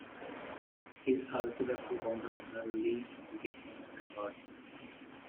He is also the co-founder of Lil' Beethoven Records.